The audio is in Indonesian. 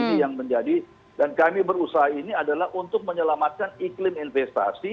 ini yang menjadi dan kami berusaha ini adalah untuk menyelamatkan iklim investasi